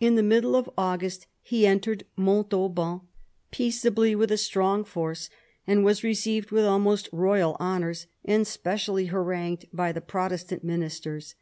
In the middle of August he entered Montauban peaceably with a strong force, and was received with almost royal honours and specially harangued by the Protestant ministers.